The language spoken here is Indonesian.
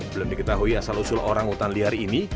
belum diketahui asal usul orang utan liar ini